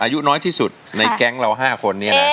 อายุน้อยที่สุดในแก๊งเรา๕คนนี้นะ